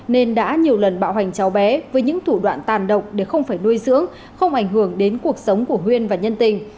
nên đã nhiều lần bạo hành cháu bé với những thủ đoạn tàn động để không phải nuôi dưỡng không ảnh hưởng đến cuộc sống của huyên và nhân tình